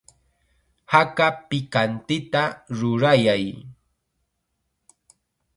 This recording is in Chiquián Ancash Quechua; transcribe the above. Haka pikantita rurayay.